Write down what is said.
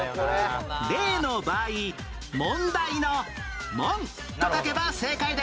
例の場合問題の「問」と書けば正解です